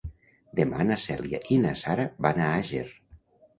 Demà na Cèlia i na Sara van a Àger.